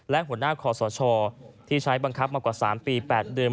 และหัวหน้าคอสชที่ใช้บังคับมากว่า๓ปี๘เดือน